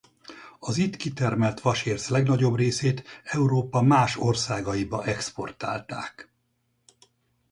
Az itt kitermelt vasérc legnagyobb részét Európa más országaiba exportálták.